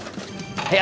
bakal belajar dong